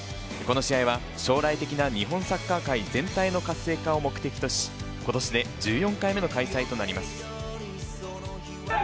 将来的な日本サッカー界全体の活性化を目的とし、今年で１４回目の開催となります。